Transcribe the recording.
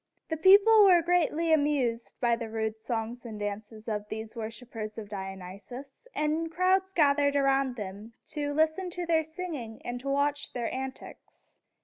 The people were greatly amused by the rude songs and dances of these worshipers of Dionysus, and crowds gathered about them to listen to their singing and to watch their antics.